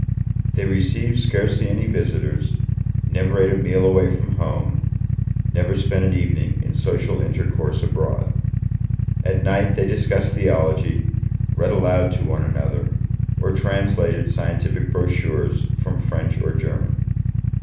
They received scarcely any visitors, never ate a meal away from home, never spent an evening in social intercourse abroad. At night they discussed theology, read aloud to one another, or translated scientific brochures from French or German.